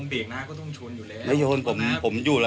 โอนแฟนผมร้องเอาคลิปให้ดู